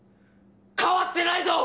替わってないぞ！